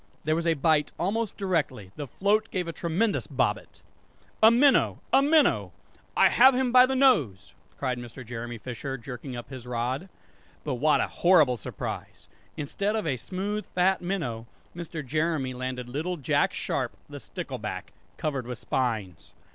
There was a bite almost directly; the float gave a tremendous bobbit! "A minnow! a minnow! I have him by the nose!" cried Mr. Jeremy Fisher, jerking up his rod. But what a horrible surprise! Instead of a smooth fat minnow, Mr. Jeremy landed little Jack Sharp the stickleback, covered with spines!